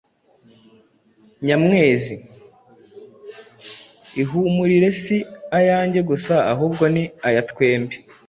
Nyamwezi: Ihumurire si ayange gusa ahubwo ni aya twembi!